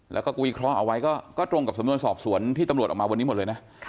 แล้วก็กุวิเคราะห์เอาไว้ก็ตรงกับสำนวนสอบสวนที่ตำรวจออกมาวันนี้หมดเลยนะ